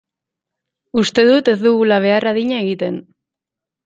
Uste dut ez dugula behar adina egiten.